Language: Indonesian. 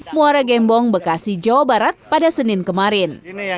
muara gembong bekasi jawa barat pada senin kemarin